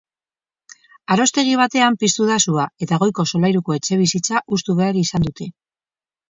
Aroztegi batean piztu da sua eta goiko solairuko etxebizitza hustu behar izan dute.